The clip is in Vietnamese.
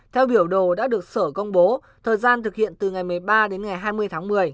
theo biểu đồ đã được sở công bố thời gian thực hiện từ ngày một mươi ba đến ngày hai mươi tháng một mươi